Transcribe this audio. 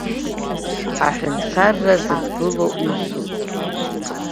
Аҳәынҭқарра зыдгыло усуп.